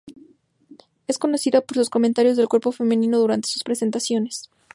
Es conocida por sus comentarios del cuerpo femenino durante sus presentaciones.